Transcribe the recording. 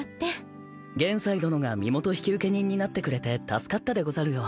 玄斎殿が身元引受人になってくれて助かったでござるよ。